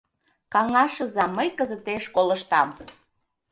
Каҥашыза: мый кызытеш колыштам.